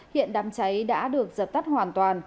hiện đám cháy đã được giật tắt hoàn toàn